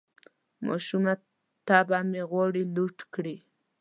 ماشومه طبعه مې غواړي لوټ کړي